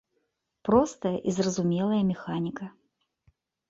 Простая і зразумелая механіка.